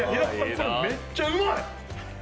これめっちゃうまい！